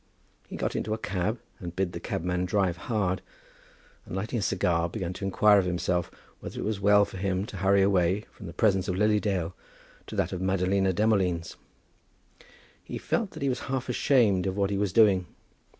He got into a cab, and bid the cabman drive hard, and lighting a cigar, began to inquire of himself whether it was well for him to hurry away from the presence of Lily Dale to that of Madalina Demolines. He felt that he was half ashamed of what he was doing.